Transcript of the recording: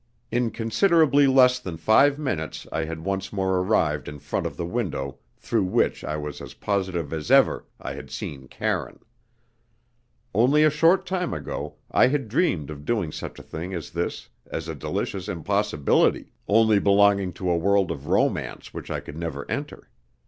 In considerably less than five minutes I had once more arrived in front of the window through which I was as positive as ever I had seen Karine. Only a short time ago I had dreamed of doing such a thing as this as a delicious impossibility, only belonging to a world of romance which I could never enter.